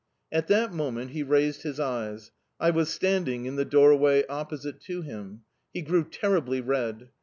At that moment he raised his eyes I was standing in the doorway opposite to him. He grew terribly red.